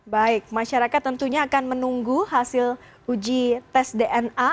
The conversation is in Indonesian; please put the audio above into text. baik masyarakat tentunya akan menunggu hasil uji tes dna